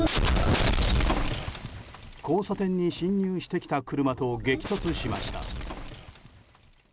交差点に進入してきた車と激突しました。